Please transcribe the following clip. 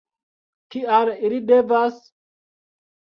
Kial ili devas?